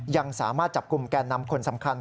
ยังสามารถจับกลุ่มแก่นำคนสำคัญ